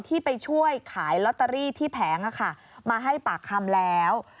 ที่ไปช่วยขายลอตเตอรี่ที่แผงมาให้ปากคำแล้ว